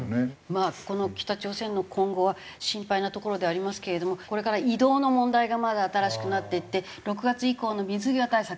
まあこの北朝鮮の今後は心配なところではありますけれどこれから移動の問題がまだ新しくなっていって６月以降の水際対策。